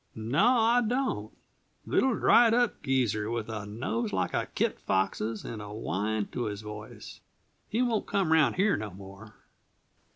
"No, I don't. Little, dried up geezer with a nose like a kit fox's and a whine to his voice. He won't come around here no more."